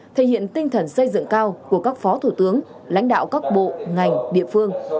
thể hiện tinh thần xây dựng cao của các phó thủ tướng lãnh đạo các bộ ngành địa phương